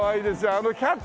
あの「キャッ！」